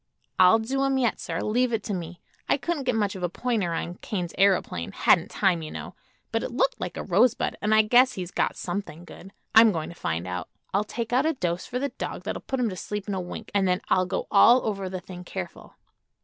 "I'll do him yet, sir. Leave it to me. I couldn't get much of a pointer on Kane's aëroplane; hadn't time, you know; but it looked like a rosebud an' I guess he's got something good. I'm going to find out. I'll take out a dose for the dog that'll put him to sleep in a wink, and then I'll go all over the thing careful."